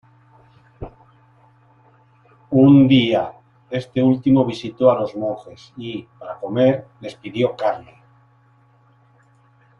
Un día, este último visitó a los monjes y, para comer, les pidió carne.